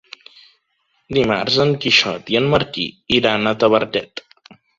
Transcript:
Dimarts en Quixot i en Martí iran a Tavertet.